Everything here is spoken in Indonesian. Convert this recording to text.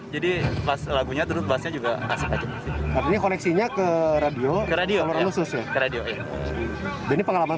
jadi pas lagunya terus basnya juga asik asik koneksinya ke radio radio radio ini pengalaman